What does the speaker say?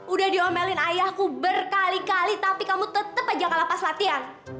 udah diomelin ayahku berkali kali tapi kamu tetep aja kalapas latihan